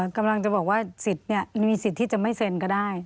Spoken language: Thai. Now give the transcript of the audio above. กำลังจะบอกว่าสิทธิ์มีสิทธิ์ที่จะไม่เซ็นก็ได้